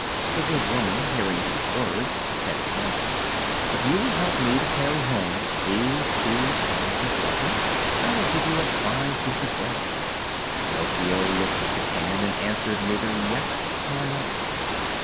The good woman, hearing these words, said at once: "If you will help me to carry home these two cans of water I will give you a fine piece of bread." Pinocchio looked at the can and answered neither yes nor no.